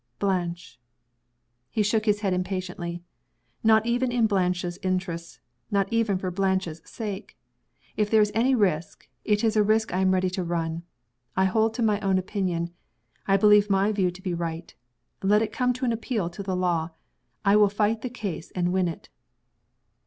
"Blanche!" He shook his head impatiently. "Not even in Blanche's interests! Not even for Blanche's sake! If there is any risk, it is a risk I am ready to run. I hold to my own opinion. I believe my own view to be right. Let it come to an appeal to the law! I will fight the case, and win it."